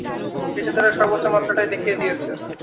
নির্যাতনের সর্বোচ্চ মাত্রাটাই দেখিয়ে দিয়েছে।